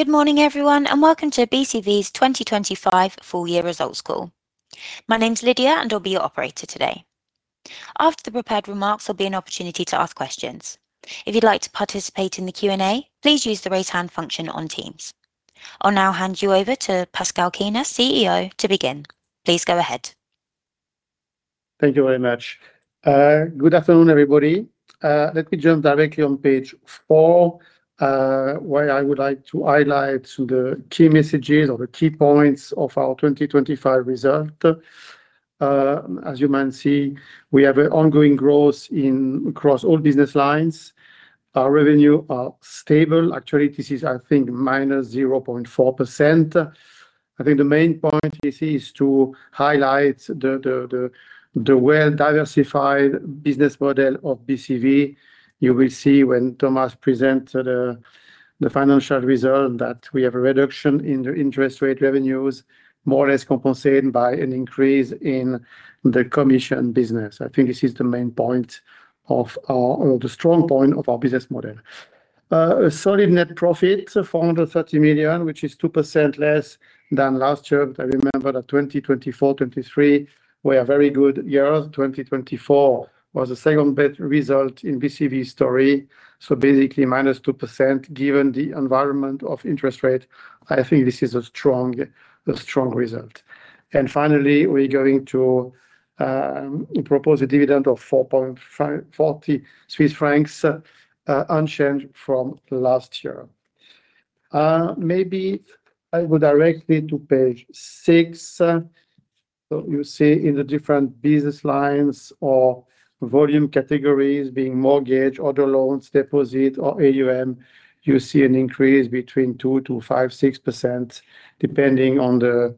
Good morning, everyone, and Welcome to BCV's 2025 Full Year Results Call. My name's Lydia, and I'll be your operator today. After the prepared remarks, there'll be an opportunity to ask questions. If you'd like to participate in the Q&A, please use the Raise Hand function on Teams. I'll now hand you over to Pascal Kiener, CEO, to begin. Please go ahead. Thank you very much. Good afternoon, everybody. Let me jump directly on page four, where I would like to highlight the key messages or the key points of our 2025 result. As you might see, we have an ongoing growth in, across all business lines. Our revenue are stable. Actually, this is, I think, -0.4%. I think the main point this is to highlight the well-diversified business model of BCV. You will see when Thomas presents the financial result, that we have a reduction in the interest rate revenues, more or less compensated by an increase in the commission business. I think this is the main point of our... or the strong point of our business model. A solid net profit, 430 million, which is 2% less than last year. But I remember that 2024, 2023 were a very good year. 2024 was the second best result in BCV story, so basically -2%, given the environment of interest rate, I think this is a strong, a strong result. And finally, we're going to propose a dividend of 4.40 Swiss francs, unchanged from last year. Maybe I go directly to page six. So you see in the different business lines or volume categories being mortgage, other loans, deposit, or AUM, you see an increase between 2%-6%, depending on the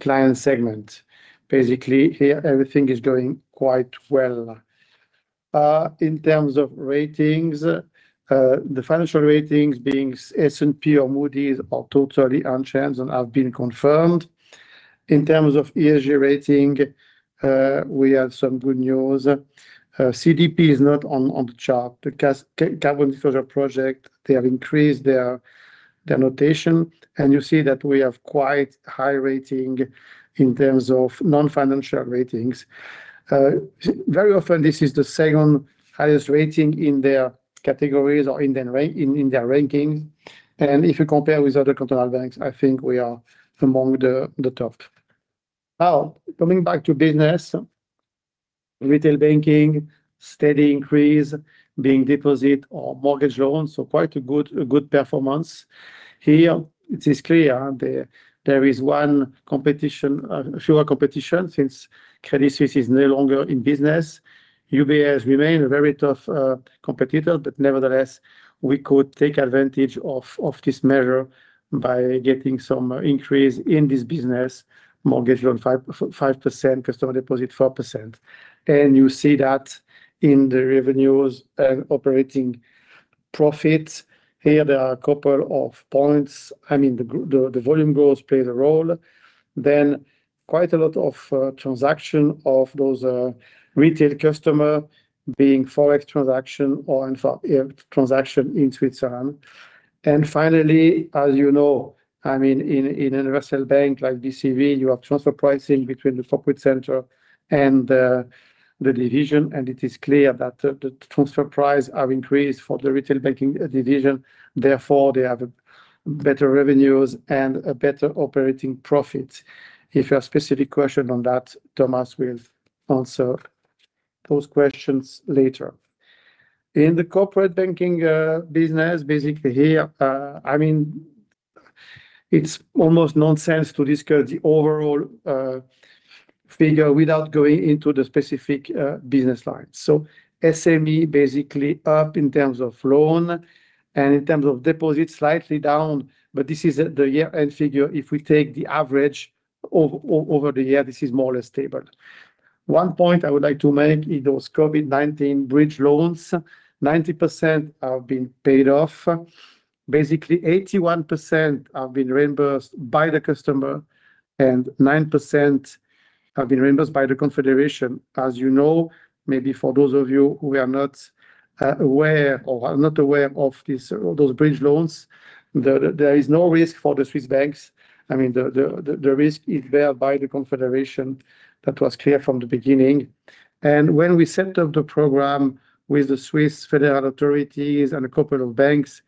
client segment. Basically, here, everything is going quite well. In terms of ratings, the financial ratings being S&P or Moody's, are totally unchanged and have been confirmed. In terms of ESG rating, we have some good news. CDP is not on the chart. The Carbon Disclosure Project, they have increased their notation, and you see that we have quite high rating in terms of non-financial ratings. Very often, this is the second highest rating in their categories or in their ranking. And if you compare with other Cantonal banks, I think we are among the top. Now, coming back to business, retail banking, steady increase being deposit or mortgage loans, so quite a good performance. Here, it is clear there is fewer competition since Credit Suisse is no longer in business. UBS remain a very tough competitor, but nevertheless, we could take advantage of this measure by getting some increase in this business. Mortgage loan 5%, customer deposit 4%. And you see that in the revenues and operating profits. Here, there are a couple of points. I mean, the volume growth plays a role. Then quite a lot of transactions of those retail customers being Forex transactions or in fact transactions in Switzerland. And finally, as you know, I mean, in a universal bank like BCV, you have transfer pricing between the corporate center and the division, and it is clear that the transfer prices have increased for the retail banking division. Therefore, they have better revenues and a better operating profit. If you have specific question on that, Thomas will answer those questions later. In the corporate banking business, basically here, I mean, it's almost nonsense to discuss the overall figure without going into the specific business lines. So SME basically up in terms of loan and in terms of deposits, slightly down, but this is the year-end figure. If we take the average over the year, this is more or less stable. One point I would like to make, in those COVID-19 bridge loans, 90% have been paid off. Basically, 81% have been reimbursed by the customer and 9% have been reimbursed by the Confederation. As you know, maybe for those of you who are not aware of this, those bridge loans, there is no risk for the Swiss banks. I mean, the risk is borne by the Confederation. That was clear from the beginning. When we set up the program with the Swiss federal authorities and a couple of banks,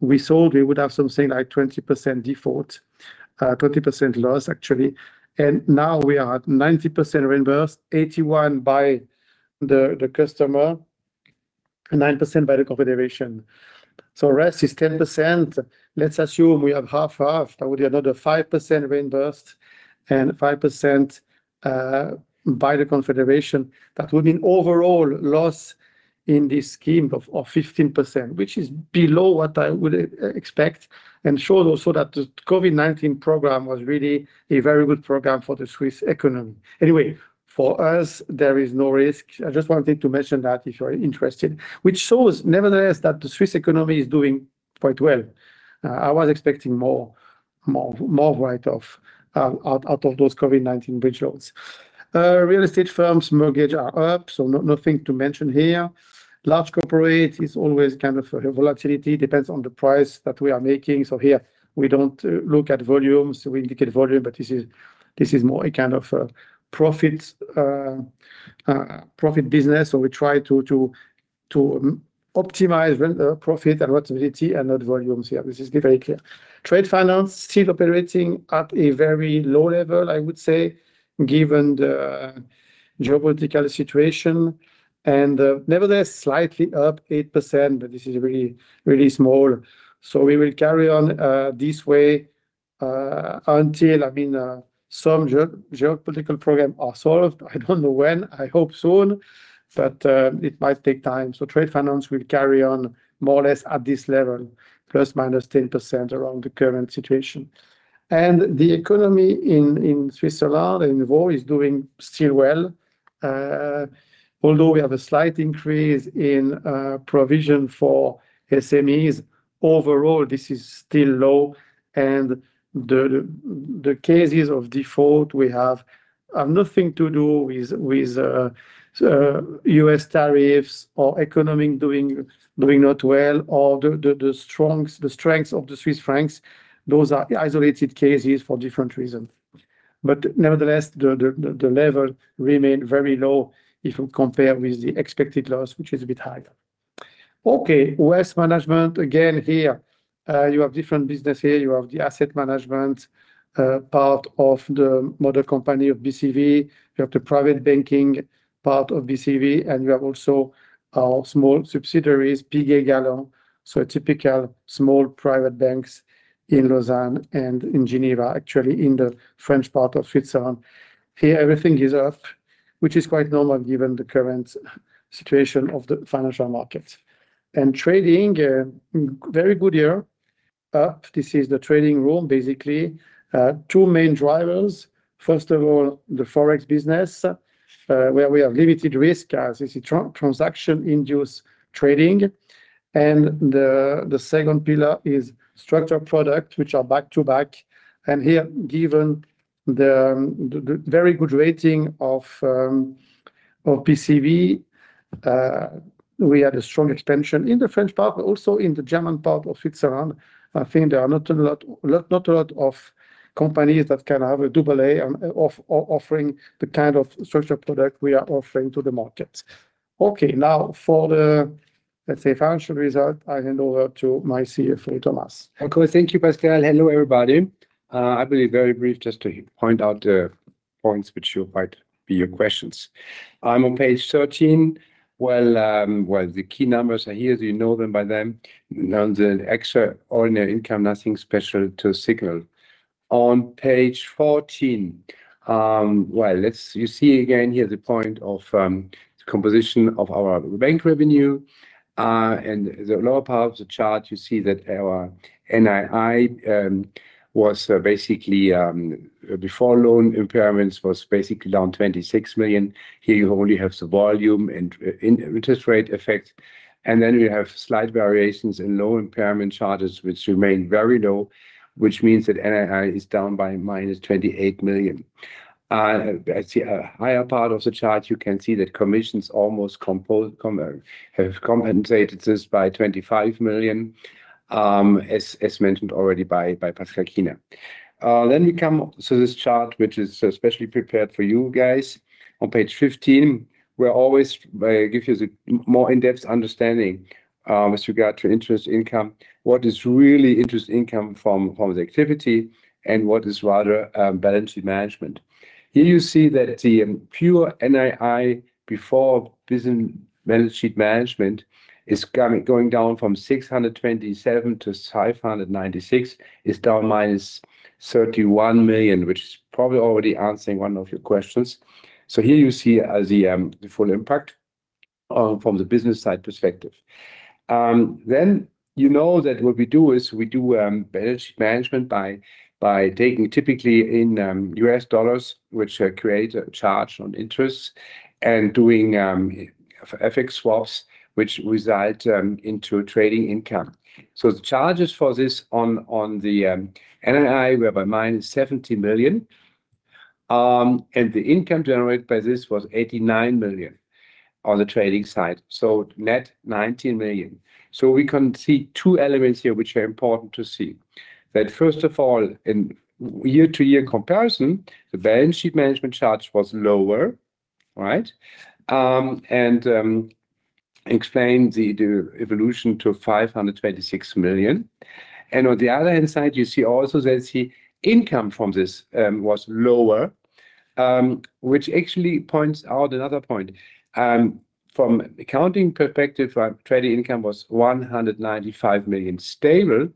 we thought we would have something like 20% default, 20% loss, actually, and now we are at 90% reimbursed, 81% by the customer, and 9% by the Confederation. So rest is 10%. Let's assume we have half, half. That would be another 5% reimbursed and 5%, by the Confederation. That would mean overall loss in this scheme of 15%, which is below what I would expect, and shows also that the COVID-19 program was really a very good program for the Swiss economy. Anyway, for us, there is no risk. I just wanted to mention that if you're interested, which shows, nevertheless, that the Swiss economy is doing quite well. I was expecting more. more write-off out of those COVID-19 bridge loans. Real estate firms mortgage are up, so nothing to mention here. Large corporate is always kind of a volatility, depends on the price that we are making. So here we don't look at volumes. We indicate volume, but this is more a kind of profit business. So we try to optimize the profit and profitability and not volumes here. This is very clear. Trade finance still operating at a very low level, I would say, given the geopolitical situation, and nevertheless, slightly up 8%, but this is really small. So we will carry on this way until, I mean, some geopolitical problems are solved. I don't know when, I hope soon, but it might take time. So trade finance will carry on more or less at this level, ±10% around the current situation. The economy in Switzerland, in Vaud, is doing still well. Although we have a slight increase in provision for SMEs, overall, this is still low, and the cases of default we have have nothing to do with U.S. tariffs or economic doing not well, or the strengths of the Swiss francs. Those are isolated cases for different reasons. But nevertheless, the level remain very low if you compare with the expected loss, which is a bit higher. Okay, wealth management, again, here you have different business. Here you have the asset management part of the mother company of BCV. You have the private banking part of BCV, and you have also our small subsidiaries, Piguet Galland. So a typical small private bank in Lausanne and in Geneva, actually in the French part of Switzerland. Here, everything is up, which is quite normal given the current situation of the financial markets. And trading, a very good year, up. This is the trading room, basically. Two main drivers. First of all, the Forex business, where we have limited risk as it's a transaction-induced trading, and the second pillar is structured products, which are back-to-back. And here, given the very good rating of BCV, we had a strong expansion in the French part, but also in the German part of Switzerland. I think there are not a lot, not a lot of companies that can have a AA and offering the kind of social product we are offering to the market. Okay, now, for the, let's say, financial result, I hand over to my CFO, Thomas. Okay, thank you, Pascal. Hello, everybody. I'll be very brief, just to point out the points which you might be your questions. I'm on page 13. Well, the key numbers are here. You know them by them. Now, the extraordinary income, nothing special to signal. On page 14, you see again here the point of composition of our bank revenue, and the lower part of the chart, you see that our NII was basically before loan impairments, was basically down 26 million. Here, you only have the volume and interest rate effect, and then we have slight variations in loan impairment charges, which remain very low, which means that NII is down by -28 million. At the higher part of the chart, you can see that commissions almost compos- com... have compensated this by 25 million, as mentioned already by Pascal Kiener. Then we come to this chart, which is especially prepared for you guys. On page 15, we're always give you the more in-depth understanding with regard to interest income, what is really interest income from the activity and what is rather balance sheet management. Here you see that the pure NII before business balance sheet management is coming, going down from 627 to 596, is down minus 31 million, which is probably already answering one of your questions. So here you see the full impact from the business side perspective. Then you know that what we do is we do balance sheet management by taking typically in U.S. dollars, which create a charge on interest and doing FX swaps, which result into trading income. So the charges for this on the NII were minus 70 million, and the income generated by this was 89 million on the trading side. So net 19 million. So we can see two elements here, which are important to see. That first of all, in year-to-year comparison, the balance sheet management charge was lower, right? And explain the evolution to 526 million. And on the other hand side, you see also that the income from this was lower, which actually points out another point. From accounting perspective, trading income was 195 million, stable,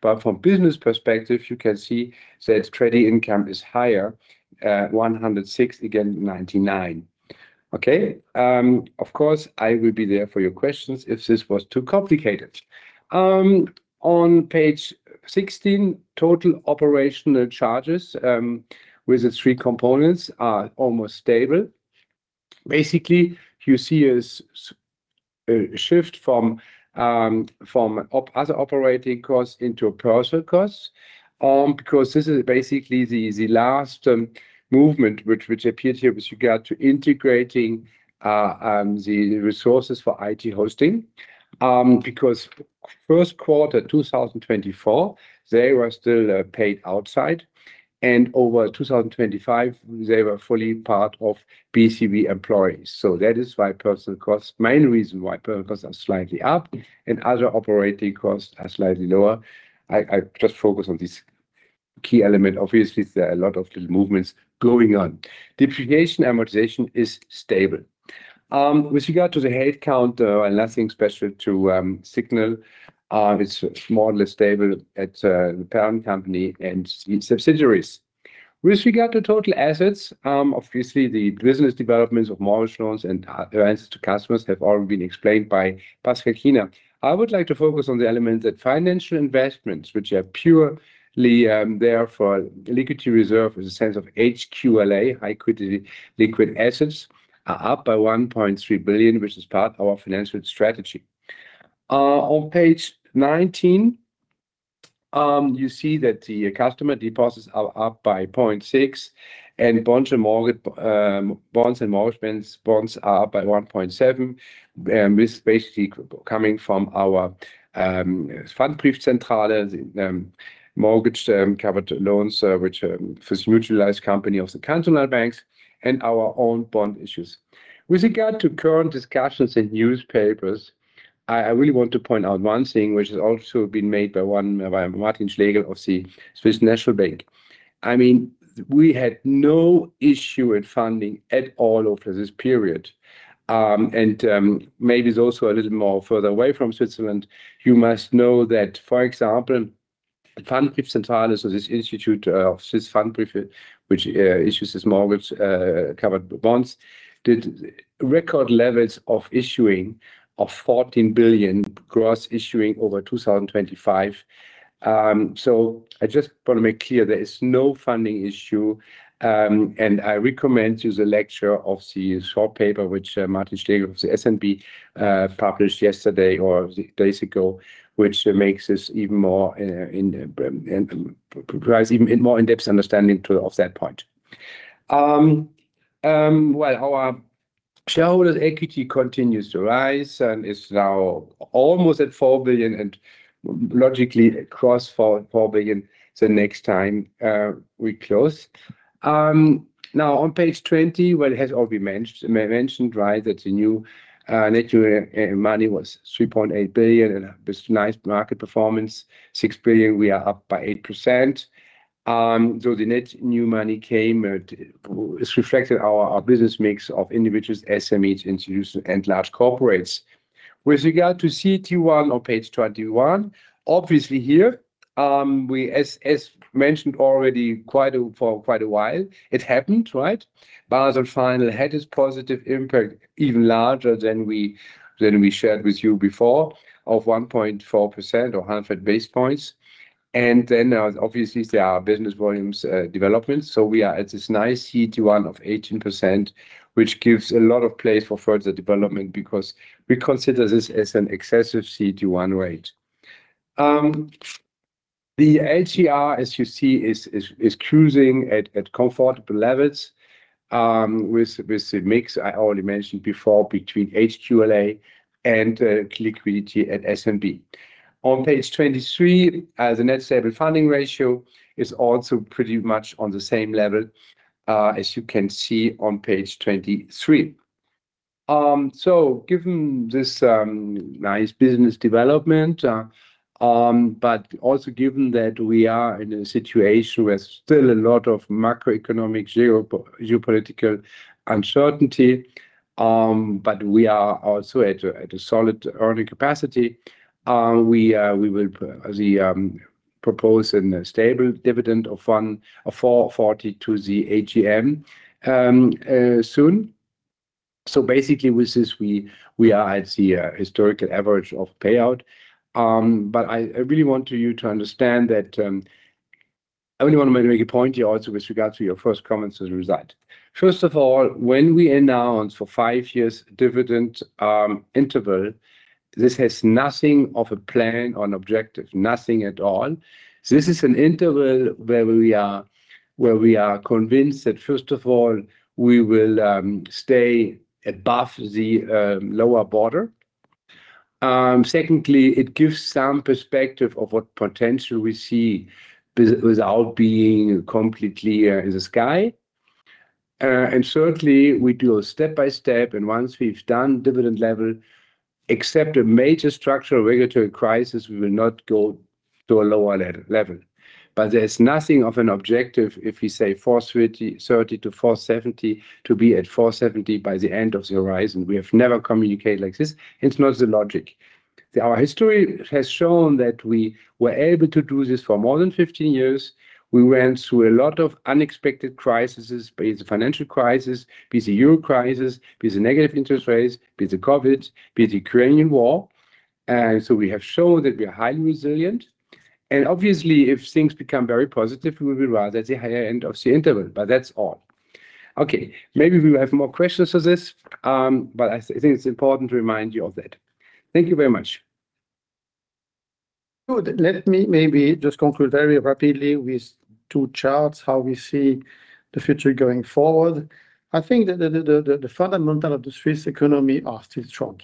but from business perspective, you can see that trading income is higher, 106 million, again, 99 million. Okay, of course, I will be there for your questions if this was too complicated. On page 16, total operational charges, with the three components, are almost stable. Basically, you see a shift from other operating costs into personal costs, because this is basically the last movement which appeared here with regard to integrating the resources for IT hosting. Because first quarter 2024, they were still paid outside, and over 2025, they were fully part of BCV employees. That is why personnel costs, main reason why personnel costs are slightly up and other operating costs are slightly lower. I just focus on this key element. Obviously, there are a lot of little movements going on. Depreciation amortization is stable. With regard to the headcount, nothing special to signal. It's more or less stable at the parent company and its subsidiaries. With regard to total assets, obviously, the business developments of mortgage loans and advances to customers have all been explained by Pascal Kiener. I would like to focus on the element that financial investments, which are purely there for liquidity reserve, in the sense of HQLA, high-quality liquid assets, are up by 1.3 billion, which is part of our financial strategy. On page 19, you see that the customer deposits are up by 0.6, and bond and mortgage bonds and mortgage bonds are up by 1.7, with basically coming from our Fundbriefzentrale, mortgage covered loans, which are first mutualized company of the cantonal banks, and our own bond issues. With regard to current discussions in newspapers, I really want to point out one thing, which has also been made by one by Martin Schlegel of the Swiss National Bank. I mean, we had no issue in funding at all over this period. Maybe it's also a little more further away from Switzerland. You must know that, for example, Pfandbriefzentrale, so this institute of Swiss Pfandbrief, which, issues this mortgage, covered bonds, did record levels of issuing of 14 billion gross issuing over 2025. So I just want to make clear there is no funding issue, and I recommend you the lecture of the short paper, which Martin Schlegel of the S&P, published yesterday or days ago, which makes this even more, in, provides even more in-depth understanding to, of that point. Well, our shareholders' equity continues to rise and is now almost at 4 billion, and logically it cross four, four billion the next time, we close. Now, on page 20, well, it has all been mentioned, right, that the new net new money was 3.8 billion, and this nice market performance, 6 billion, we are up by 8%. So the net new money came, is reflected in our business mix of individuals, SMEs, institutions, and large corporates. With regard to CET1 on page 21, obviously here, we, as mentioned already, for quite a while, it happened, right? Basel final had this positive impact, even larger than we shared with you before, of 1.4% or 100 basis points. And then, obviously, there are business volumes development. So we are at this nice CET1 of 18%, which gives a lot of place for further development because we consider this as an excessive CET1 rate. The LCR, as you see, is cruising at comfortable levels, with the mix I already mentioned before, between HQLA and liquidity at S&P. On page 23, the net stable funding ratio is also pretty much on the same level, as you can see on page 23. So given this nice business development, but also given that we are in a situation where still a lot of macroeconomic geopolitical uncertainty, but we are also at a solid earning capacity, we will propose a stable dividend of 4.40 to the AGM soon. So basically, with this, we are at the historical average of payout. But I really want you to understand that... I only want to make a point here also with regard to your first comments as a result. First of all, when we announce for five years dividend interval, this has nothing of a plan or an objective, nothing at all. So this is an interval where we are, where we are convinced that, first of all, we will stay above the lower border. Secondly, it gives some perspective of what potential we see without being completely in the sky. And certainly, we do a step-by-step, and once we've done dividend level, except a major structural regulatory crisis, we will not go to a lower level, level. But there is nothing of an objective if we say 4.30 to 4.70, to be at 4.70 by the end of the horizon. We have never communicated like this. It's not the logic. Our history has shown that we were able to do this for more than 15 years. We went through a lot of unexpected crises, be it the financial crisis, be it the Euro crisis, be it the negative interest rates, be it the COVID, be it the Ukrainian war. And so we have shown that we are highly resilient, and obviously, if things become very positive, we will be rather at the higher end of the interval, but that's all. Okay, maybe we will have more questions for this, but I think it's important to remind you of that. Thank you very much. Good. Let me maybe just conclude very rapidly with two charts, how we see the future going forward. I think that the fundamentals of the Swiss economy are still strong.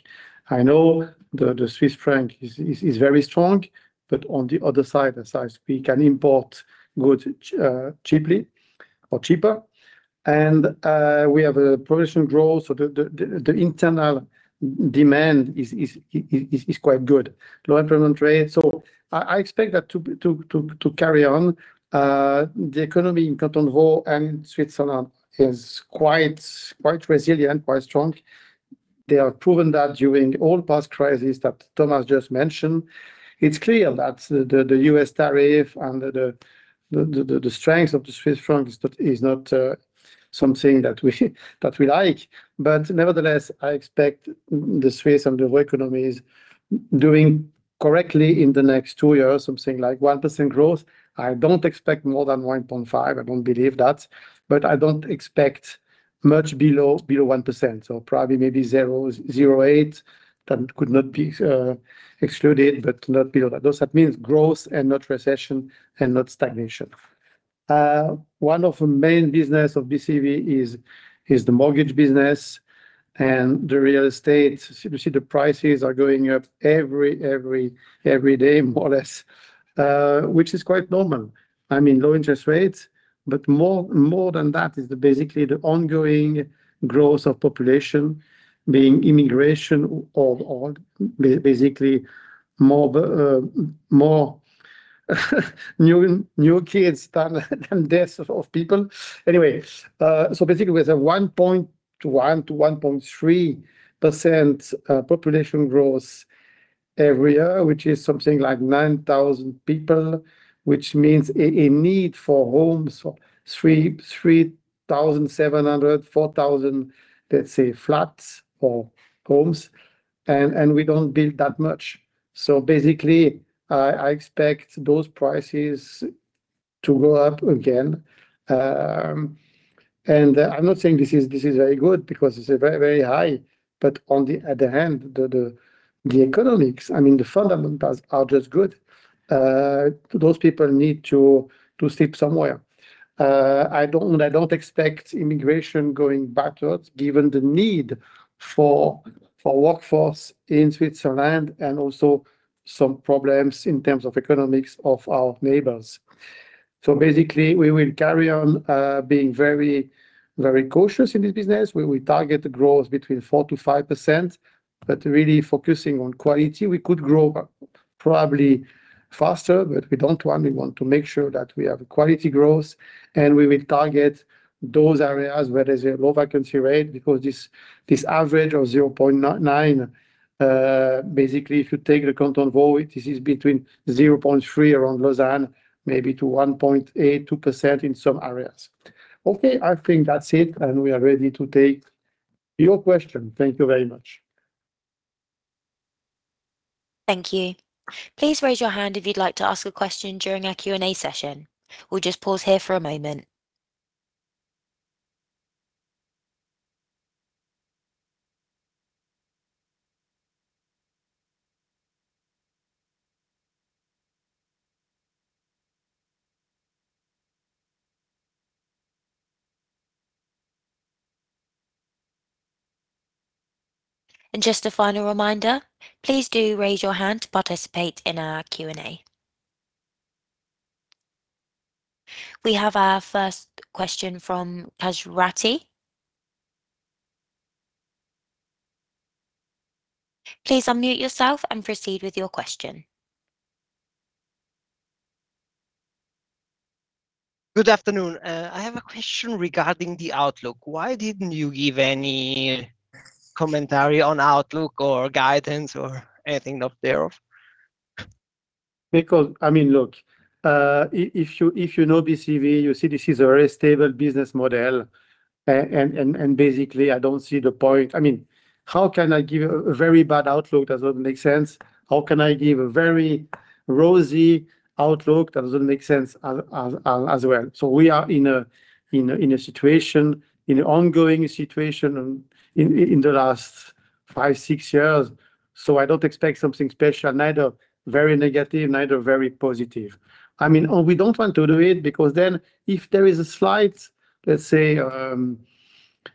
I know the Swiss franc is very strong, but on the other side, as I speak, and import goods cheaply or cheaper, and we have a production growth, so the internal demand is quite good. Low employment rate, so I expect that to be to carry on. The economy in Canton Vaud and Switzerland is quite resilient, quite strong. They have proven that during all past crises that Thomas just mentioned. It's clear that the U.S. tariff and the strength of the Swiss franc is not something that we like. But nevertheless, I expect the Swiss and the Vaud economies doing correctly in the next two years, something like 1% growth. I don't expect more than 1.5%, I don't believe that, but I don't expect much below 1%, so probably maybe 0.08%. That could not be excluded, but not below that. Those means growth and not recession, and not stagnation. One of the main business of BCV is the mortgage business and the real estate. You see, the prices are going up every day, more or less, which is quite normal. I mean, low interest rates, but more than that is basically the ongoing growth of population being immigration or basically more new kids than deaths of people. Anyway, so basically, with a 1.0%-1.3% population growth every year, which is something like 9,000 people, which means a need for homes, so 3,700-4,000, let's say, flats or homes, and we don't build that much. So basically, I expect those prices to go up again. And I'm not saying this is very good because it's very, very high, but on the other hand, the economics, I mean, the fundamentals are just good. Those people need to sleep somewhere. I don't expect immigration going backwards, given the need for workforce in Switzerland, and also some problems in terms of economics of our neighbors. So basically, we will carry on being very, very cautious in this business, where we target the growth between 4%-5%, but really focusing on quality. We could grow probably faster, but we don't want. We want to make sure that we have quality growth, and we will target those areas where there's a low vacancy rate, because this average of 0.9%, basically, if you take the Canton Vaud, this is between 0.3% around Lausanne, maybe to 1.82% in some areas. Okay, I think that's it, and we are ready to take your question. Thank you very much. Thank you. Please raise your hand if you'd like to ask a question during our Q&A session. We'll just pause here for a moment. Just a final reminder, please do raise your hand to participate in our Q&A. We have our first question from Kasrati. Please unmute yourself and proceed with your question. Good afternoon. I have a question regarding the outlook. Why didn't you give any commentary on outlook or guidance or anything thereof? Because, I mean, look, if you, if you know BCV, you see this is a very stable business model, and basically, I don't see the point. I mean, how can I give a very bad outlook? That doesn't make sense. How can I give a very rosy outlook? That doesn't make sense as well. So we are in a situation, in an ongoing situation in the last five, six years, so I don't expect something special, neither very negative, neither very positive. I mean, and we don't want to do it, because then if there is a slight, let's say,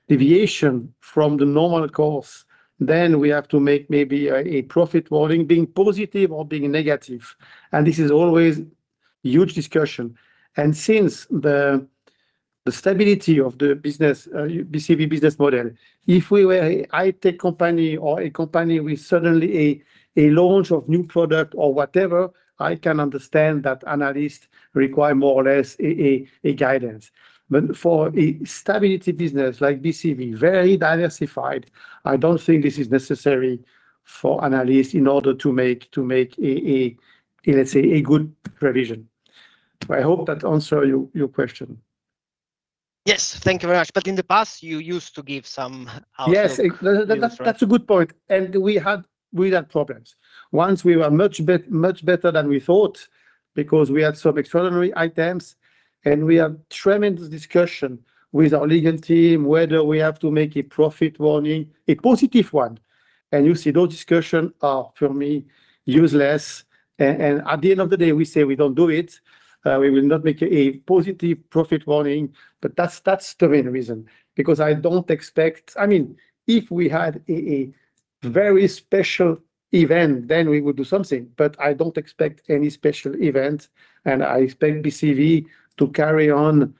deviation from the normal course, then we have to make maybe a profit warning, being positive or being negative, and this is always huge discussion. Since the stability of the business, BCV business model, if we were a high-tech company or a company with suddenly a launch of new product or whatever, I can understand that analysts require more or less a guidance. But for a stability business like BCV, very diversified, I don't think this is necessary for analysts in order to make a good revision. I hope that answers your question. Yes, thank you very much. But in the past, you used to give some outlook. Yes, that's a good point, and we had problems. Once we were much better than we thought because we had some extraordinary items, and we had tremendous discussions with our legal team whether we have to make a profit warning, a positive one. And you see, those discussions are, for me, useless, and at the end of the day, we say we don't do it. We will not make a positive profit warning, but that's the main reason, because I don't expect—I mean, if we had a very special event, then we would do something, but I don't expect any special event, and I expect BCV to carry on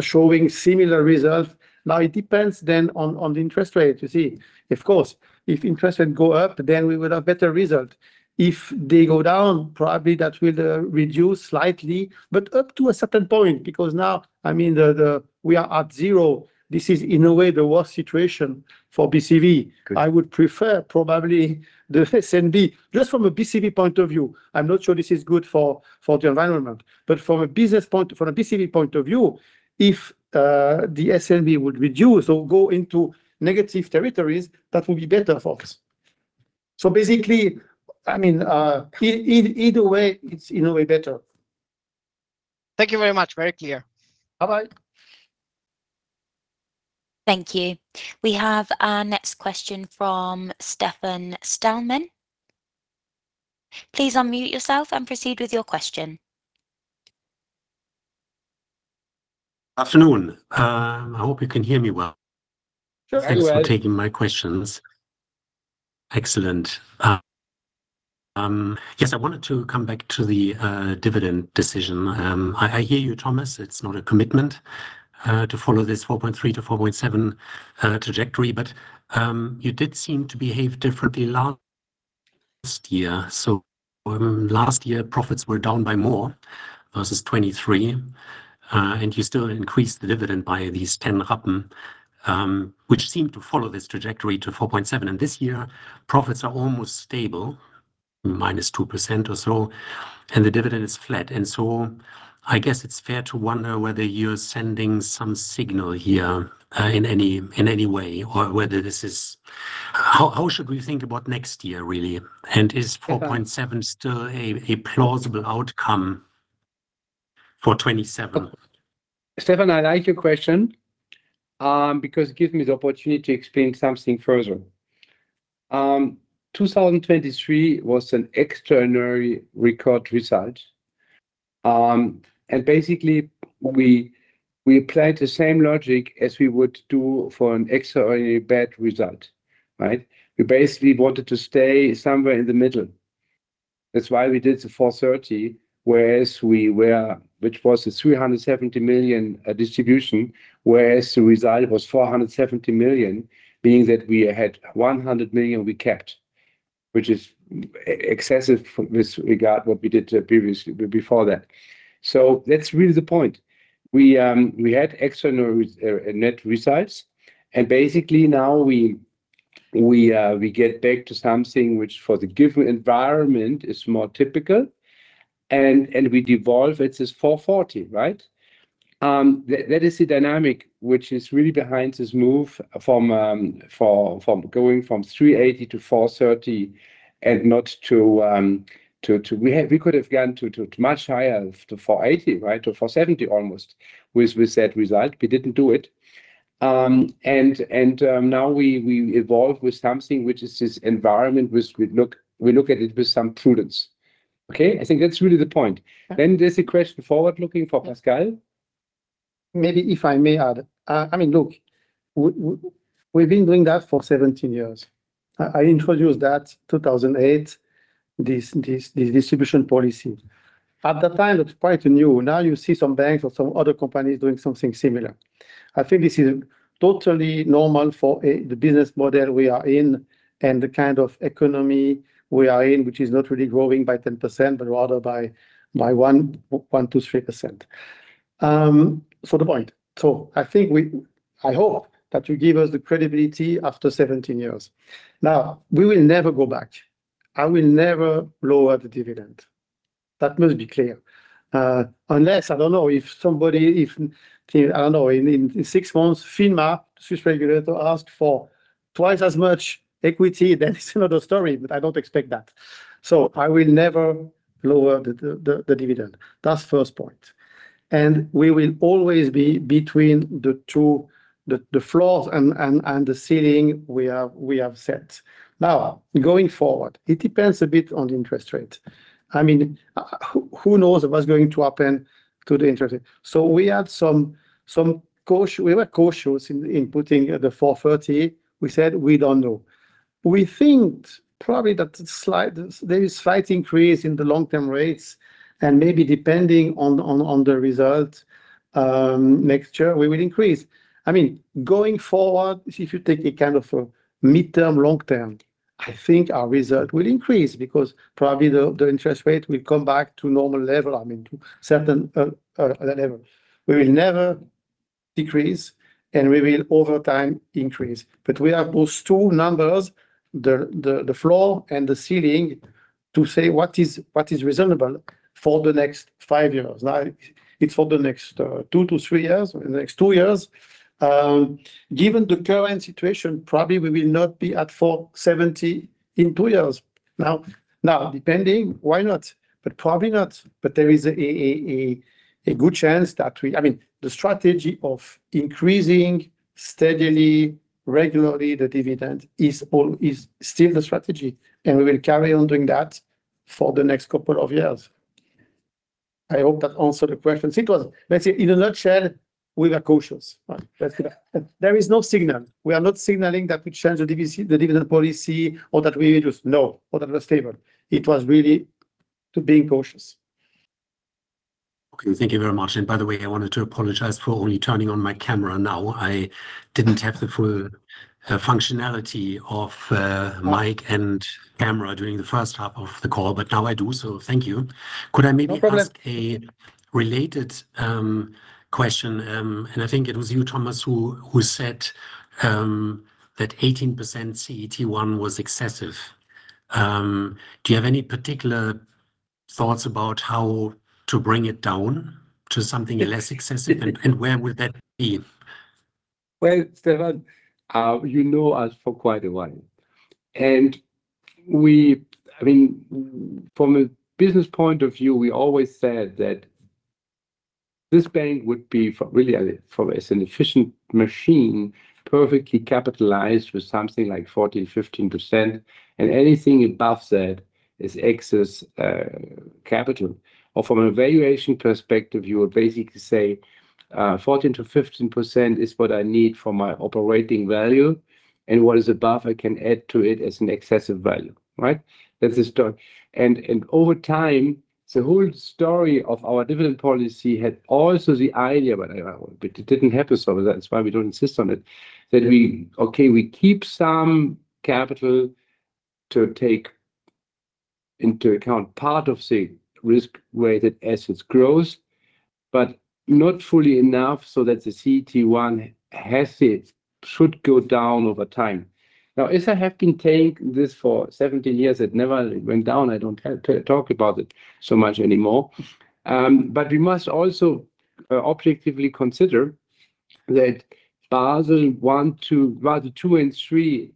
showing similar results. Now, it depends then on the interest rate, you see. Of course, if interest rate go up, then we would have better result. If they go down, probably that will reduce slightly, but up to a certain point, because now, I mean, we are at zero. This is, in a way, the worst situation for BCV. Good. I would prefer probably the SNB, just from a BCV point of view. I'm not sure this is good for the environment, but from a business point, from a BCV point of view, if the SNB would reduce or go into negative territories, that would be better for us. So basically, I mean, either way, it's in a way better. Thank you very much. Very clear. Bye-bye. Thank you. We have our next question from Stefan Stalmann. Please unmute yourself and proceed with your question. Afternoon. I hope you can hear me well. Sure, very well. Thanks for taking my questions. Excellent. Yes, I wanted to come back to the dividend decision. I hear you, Thomas. It's not a commitment to follow this 4.3-4.7 trajectory, but you did seem to behave differently last year. So last year, profits were down by more versus 2023, and you still increased the dividend by 10%, which seemed to follow this trajectory to 4.7. And this year, profits are almost stable, -2% or so, and the dividend is flat. And so I guess it's fair to wonder whether you're sending some signal here in any way, or whether this is. How should we think about next year, really? Uh- Is 4.7 still a plausible outcome for 27? Stefan, I like your question, because it gives me the opportunity to explain something further. 2023 was an extraordinary record result. And basically, we applied the same logic as we would do for an extraordinary bad result, right? We basically wanted to stay somewhere in the middle. That's why we did the 4.30, whereas we were—which was a 370 million distribution, whereas the result was 470 million, being that we had 100 million we kept, which is excessive with regard what we did previously, before that. So that's really the point. We had extraordinary net results, and basically, now we get back to something which for the given environment is more typical, and we devolve it as 4.40, right? That is the dynamic which is really behind this move from going from 3.80 to 4.30 and not to. We had, we could have gone to much higher, to 4.80, right, or 4.70, almost, with that result. We didn't do it. Now we evolve with something which is this environment, which we look at it with some prudence. Okay? I think that's really the point. Then there's a question forward-looking for Pascal. Maybe if I may add, I mean, look, we've been doing that for 17 years. I introduced that 2008, this distribution policy. At that time, it's quite new. Now you see some banks or some other companies doing something similar. I think this is totally normal for the business model we are in and the kind of economy we are in, which is not really growing by 10%, but rather by 1%-3%. So I think we—I hope that you give us the credibility after 17 years. Now, we will never go back. I will never lower the dividend. That must be clear. Unless, I don't know, if somebody, if, I don't know, in six months, FINMA, Swiss regulator, ask for twice as much equity, then it's another story, but I don't expect that. So I will never lower the dividend. That's first point. And we will always be between the two floors and the ceiling we have set. Now, going forward, it depends a bit on the interest rate. I mean, who knows what's going to happen to the interest rate? So we had some caution. We were cautious in putting the 4.30. We said we don't know. We think probably that there is slight increase in the long-term rates, and maybe depending on the result next year, we will increase. I mean, going forward, if you take a kind of a midterm, long term, I think our result will increase because probably the interest rate will come back to normal level, I mean, to certain level. We will never decrease, and we will over time increase. But we have those two numbers, the floor and the ceiling, to say what is reasonable for the next five years. Now, it's for the next two to three years, or the next two years. Given the current situation, probably we will not be at 4.70 in two years. Now, depending, why not? But probably not, but there is a good chance that I mean, the strategy of increasing steadily, regularly, the dividend is all, is still the strategy, and we will carry on doing that for the next couple of years. I hope that answered the question, because, let's say, in a nutshell, we are cautious, right? There is no signal. We are not signaling that we change the dividend policy or that we reduce. No, or that was stable. It was really to being cautious. Okay, thank you very much. By the way, I wanted to apologize for only turning on my camera now. I didn't have the full functionality of mic and camera during the first half of the call, but now I do, so thank you. Could I maybe- No problem Ask a related question? I think it was you, Thomas, who said that 18% CET1 was excessive. Do you have any particular thoughts about how to bring it down to something less excessive, and where would that be? Well, Stefan, you know us for quite a while, and we... I mean, from a business point of view, we always said that this bank would be really from as an efficient machine, perfectly capitalized with something like 14%, 15%, and anything above that is excess capital. Or from a valuation perspective, you would basically say, "14%-15% is what I need for my operating value, and what is above, I can add to it as an excessive value," right? That's the story. And, and over time, the whole story of our dividend policy had also the idea, but, but it didn't happen, so that's why we don't insist on it. That we, okay, we keep some capital to take into account part of the risk-weighted assets growth, but not fully enough so that the CET1 assets should go down over time. Now, as I have been taking this for 17 years, it never went down. I don't talk about it so much anymore. But we must also objectively consider that Basel 1, 2, rather two and three,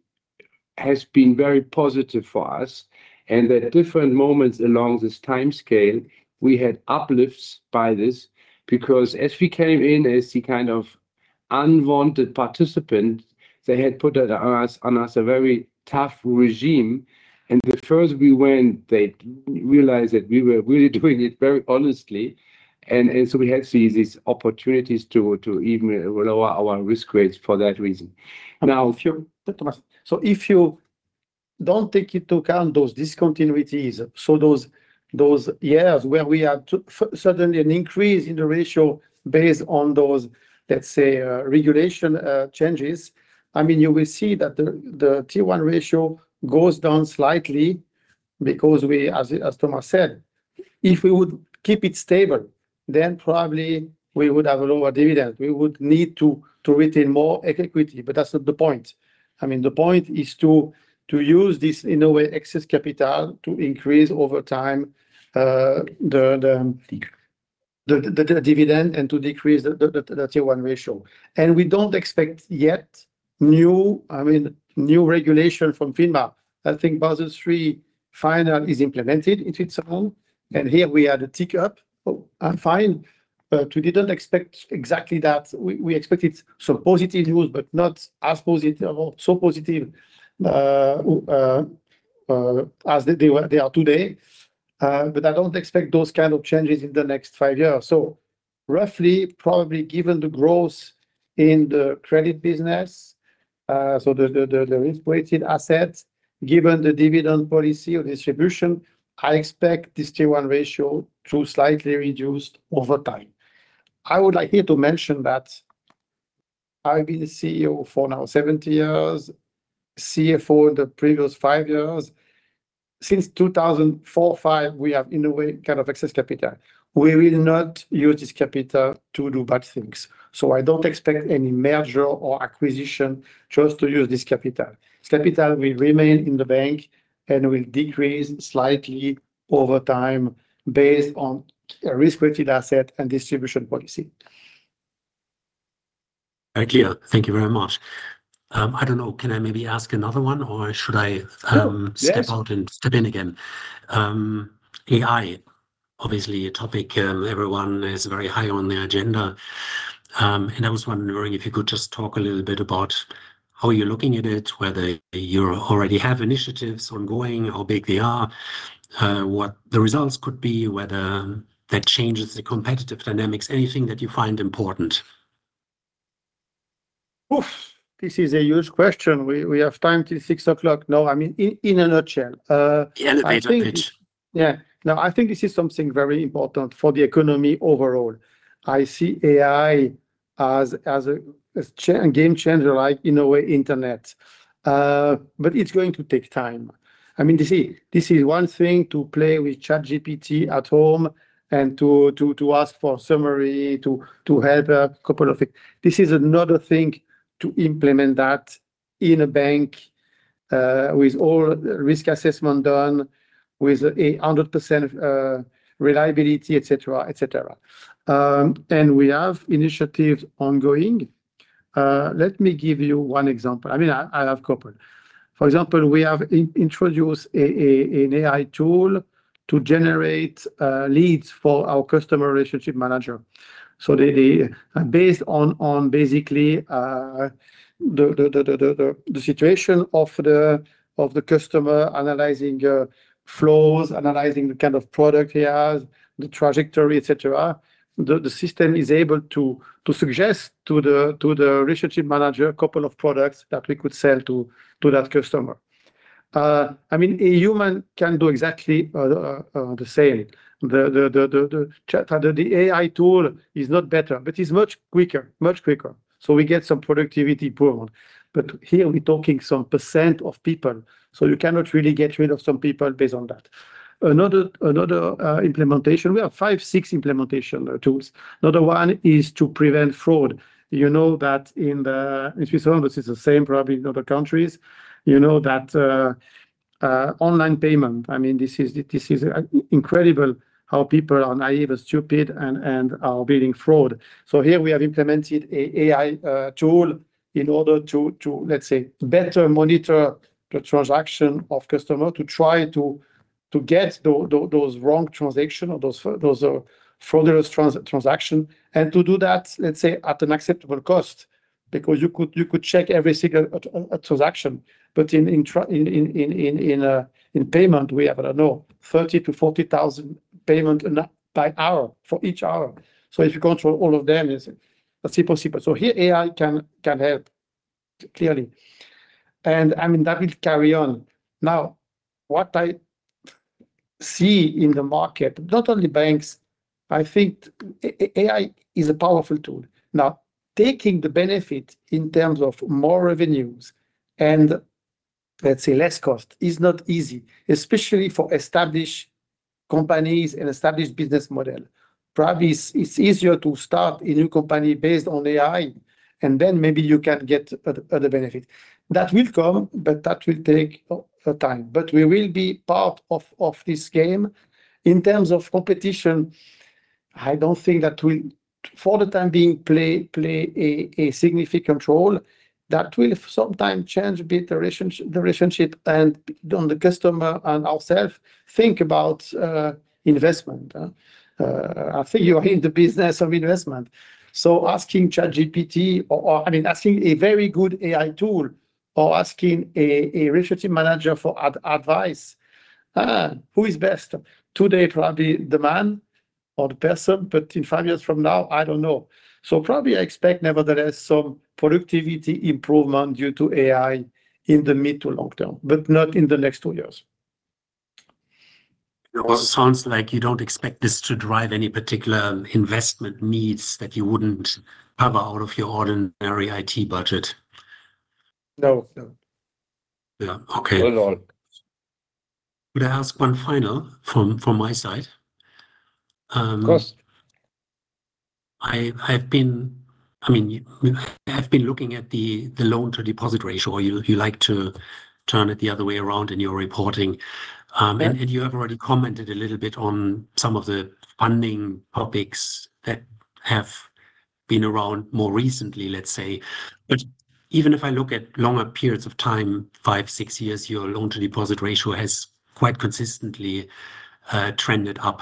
has been very positive for us, and at different moments along this timescale, we had uplifts by this. Because as we came in as the kind of unwanted participant, they had put on us a very tough regime, and the first we went, they realized that we were really doing it very honestly, and so we had to see these opportunities to even lower our risk rates for that reason. Now, if you- So if you don't take into account those discontinuities, those years where we had to suddenly an increase in the ratio based on those, let's say, regulation changes, I mean, you will see that the Tier 1 ratio goes down slightly because we, as Thomas said, if we would keep it stable, then probably we would have a lower dividend. We would need to retain more equity, but that's not the point. I mean, the point is to use this, in a way, excess capital to increase over time, the- Dividend The dividend and to decrease the Tier 1 ratio. And we don't expect yet new, I mean, new regulation from FINMA. I think Basel III Final is implemented into its own, and here we had a tick up, oh, and fine, but we didn't expect exactly that. We expected some positive news, but not as positive or so positive as they are today. But I don't expect those kind of changes in the next five years. So roughly, probably, given the growth in the credit business, so the risk-weighted assets, given the dividend policy or distribution, I expect this Tier 1 ratio to slightly reduced over time. I would like here to mention that I've been a CEO for now 70 years, CFO in the previous five years. Since 2004, 2005, we have, in a way, kind of excess capital. We will not use this capital to do bad things, so I don't expect any merger or acquisition just to use this capital. This capital will remain in the bank and will decrease slightly over time based on a risk-weighted asset and distribution policy. Very clear. Thank you very much. I don't know, can I maybe ask another one, or should I? No, yes Step out and step in again? AI, obviously a topic everyone is very high on the agenda, and I was wondering if you could just talk a little bit about how you're looking at it, whether you already have initiatives ongoing, how big they are, what the results could be, whether that changes the competitive dynamics, anything that you find important. Oof! This is a huge question. We have time till six o'clock. No, I mean, in a nutshell, I think- Yeah, the major pitch. Yeah. Now, I think this is something very important for the economy overall. I see AI as a game changer, like in a way, internet. But it's going to take time. I mean, this is one thing to play with ChatGPT at home and to ask for summary, to help a couple of things. This is another thing to implement that in a bank, with all risk assessment done, with 100% reliability, et cetera, et cetera. And we have initiatives ongoing. Let me give you one example. I mean, I have couple. For example, we have introduced an AI tool to generate leads for our customer relationship manager. So the, based on basically, the situation of the customer analyzing flows, analyzing the kind of product he has, the trajectory, et cetera, the system is able to suggest to the relationship manager a couple of products that we could sell to that customer. I mean, a human can do exactly the same. The AI tool is not better, but is much quicker. Much quicker. So we get some productivity improvement, but here we're talking some percent of people, so you cannot really get rid of some people based on that. Another implementation, we have five, six implementation tools. Another one is to prevent fraud. You know that in the Swiss world, this is the same, probably in other countries, you know, that online payment, I mean, this is, this is incredible how people are naive and stupid and are being fraud. So here we have implemented an AI tool in order to, to, let's say, better monitor the transaction of customer, to try to get those wrong transaction or those fraudulent transaction, and to do that, let's say, at an acceptable cost. Because you could check every single transaction, but in payment, we have, I don't know, 30,000-40,000 payment an by hour, for each hour. So if you control all of them, it's not possible. So here, AI can help, clearly, and, I mean, that will carry on. Now, what I see in the market, not only banks, I think AI is a powerful tool. Now, taking the benefit in terms of more revenues, and let's say less cost, is not easy, especially for established companies and established business model. Probably, it's easier to start a new company based on AI, and then maybe you can get other benefit. That will come, but that will take time, but we will be part of this game. In terms of competition, I don't think that will, for the time being, play a significant role. That will sometime change a bit the relationship and on the customer and ourselves. Think about investment, I think you are in the business of investment, so asking ChatGPT or, I mean, asking a very good AI tool or asking a relationship manager for advice, who is best? Today, probably the man or the person, but in five years from now, I don't know. So probably I expect, nevertheless, some productivity improvement due to AI in the mid to long term, but not in the next two years. It sounds like you don't expect this to drive any particular investment needs that you wouldn't cover out of your ordinary IT budget. No, no. Yeah. Okay. At all. Could I ask one final from my side? Of course. I mean, I've been looking at the loan-to-deposit ratio, or you like to turn it the other way around in your reporting. And you have already commented a little bit on some of the funding topics that have been around more recently, let's say. But even if I look at longer periods of time, five, six years, your loan-to-deposit ratio has quite consistently trended up.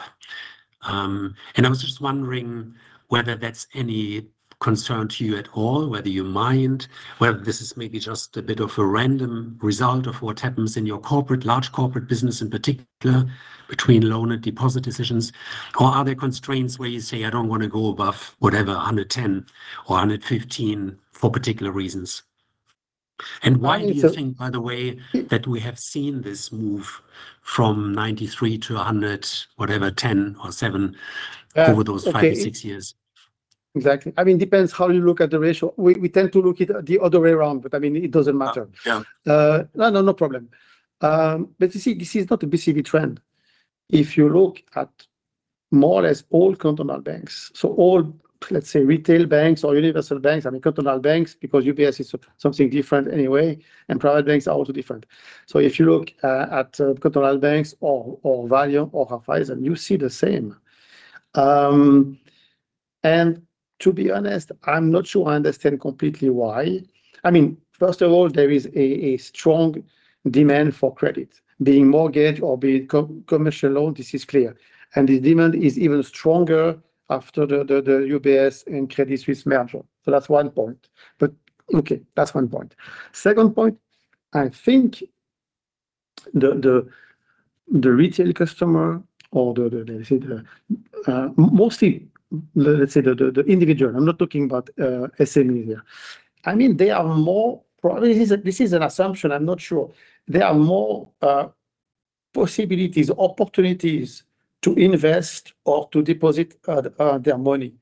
And I was just wondering whether that's any concern to you at all, whether you mind, whether this is maybe just a bit of a random result of what happens in your corporate, large corporate business, in particular, between loan and deposit decisions, or are there constraints where you say, "I don't wanna go above whatever, 110 or 115 for particular reasons? I think so- Why do you think, by the way, that we have seen this move from 93-100, whatever, 10 or 7. Yeah. Okay. over those five to six years? Exactly. I mean, depends how you look at the ratio. We tend to look it at the other way around, but, I mean, it doesn't matter. Yeah. No, no, no problem. But you see, this is not a BCV trend. If you look at more or less all continental banks, so all, let's say, retail banks or universal banks, I mean, continental banks, because UBS is something different anyway, and private banks are also different. So if you look at Cantonal banks or Value or Horizon, you see the same. And to be honest, I'm not sure I understand completely why. I mean, first of all, there is a strong demand for credit, being mortgage or being co-commercial loan, this is clear, and the demand is even stronger after the UBS and Credit Suisse merger. So that's one point, but okay, that's one point. Second point, I think the retail customer or the mostly, let's say, the individual, I'm not talking about SME here. I mean, there are more. Probably, this is an assumption. I'm not sure. There are more possibilities or opportunities to invest or to deposit their money.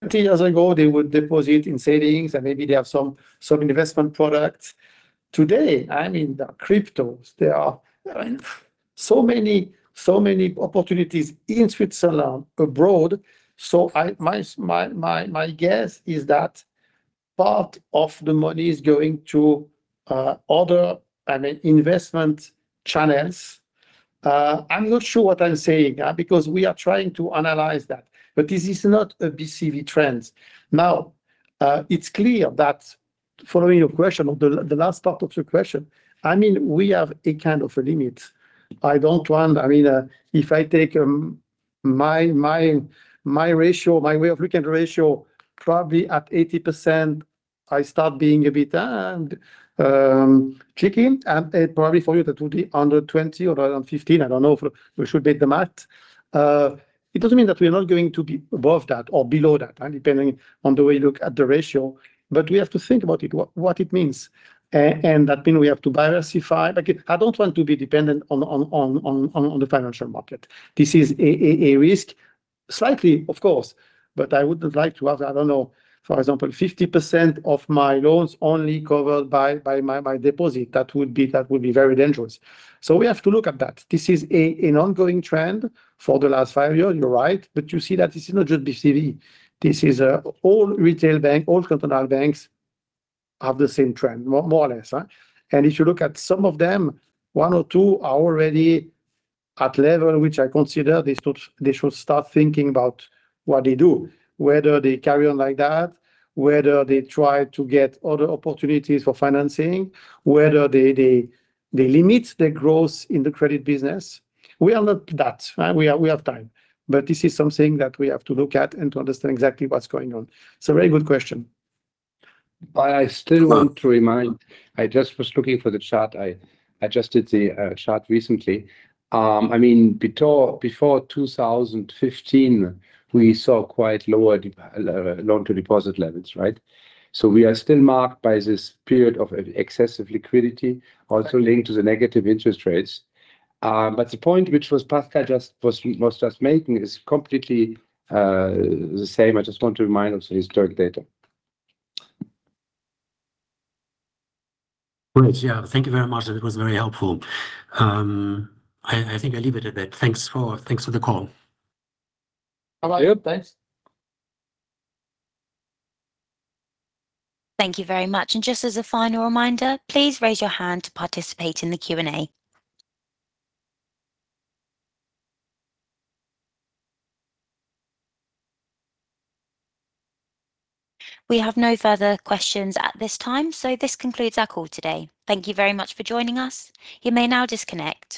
20 years ago, they would deposit in savings, and maybe they have some investment products. Today, I mean, there are cryptos, there are so many opportunities in Switzerland, abroad. So my guess is that part of the money is going to other and investment channels. I'm not sure what I'm saying, because we are trying to analyze that, but this is not a BCV trends. Now, it's clear that following your question, or the last part of your question, I mean, we have a kind of a limit. I don't want - I mean, if I take my ratio, my way of looking at ratio, probably at 80%, I start being a bit tricky, and probably for you, that would be under 20 or under 15. I don't know if we should do the math. It doesn't mean that we're not going to be above that or below that, and depending on the way you look at the ratio, but we have to think about it, what it means. And that mean we have to diversify. Like, I don't want to be dependent on the financial market. This is a risk, slightly, of course, but I would like to have, I don't know, for example, 50% of my loans only covered by my deposit. That would be very dangerous. So we have to look at that. This is an ongoing trend for the last five years, you're right, but you see that this is not just BCV. This is all retail banks, all continental banks have the same trend, more or less. And if you look at some of them, one or two are already at level, which I consider they should start thinking about what they do, whether they carry on like that, whether they try to get other opportunities for financing, whether they limit their growth in the credit business. We are not that, we have time, but this is something that we have to look at and to understand exactly what's going on. It's a very good question. But I still want to remind, I just was looking for the chart. I adjusted the chart recently. I mean, before 2015, we saw quite lower loan to deposit levels, right? So we are still marked by this period of excessive liquidity, also linked to the negative interest rates. But the point which was Pascal just was, was just making, is completely the same. I just want to remind of the historic data. Great. Yeah. Thank you very much. That was very helpful. I think I leave it at that. Thanks for the call. All right. Thanks. Thank you very much. Just as a final reminder, please raise your hand to participate in the Q&A. We have no further questions at this time, so this concludes our call today. Thank you very much for joining us. You may now disconnect.